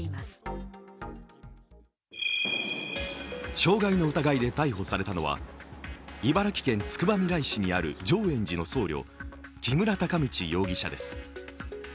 傷害の疑いで逮捕されたのは茨城県つくばみらい市にある浄円寺の僧侶、木村孝道容疑者です。